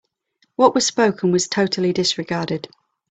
What was spoken was totally disregarded.